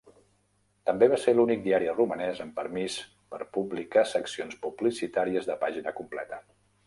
També va ser l'únic diari romanès amb permís per publicar seccions publicitàries de pàgina completa.